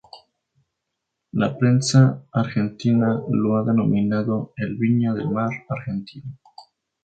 La prensa argentina lo ha denominado el "Viña del Mar argentino".